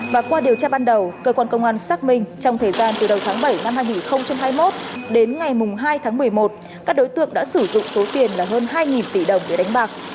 và qua điều tra ban đầu cơ quan công an xác minh trong thời gian từ đầu tháng bảy năm hai nghìn hai mươi một đến ngày hai tháng một mươi một các đối tượng đã sử dụng số tiền là hơn hai tỷ đồng để đánh bạc